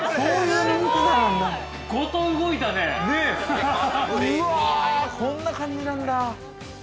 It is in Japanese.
うわ、こんな感じなんだ。